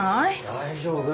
大丈夫。